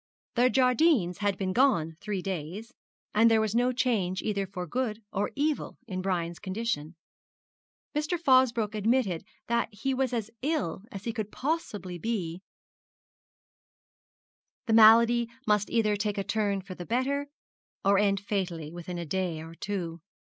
The Jardines had been gone three days, and there was no change either for good or evil in Brian's condition. Mr. Fosbroke admitted that he was as ill as he could possibly be the malady must either take a turn for the better, or end fatally within a day or two.